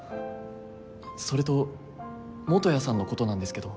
それと本谷さんの事なんですけど。